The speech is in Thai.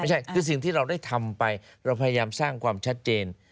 ไม่ใช่คือสิ่งที่เราได้ทำไปเราพยายามสร้างความชัดเจน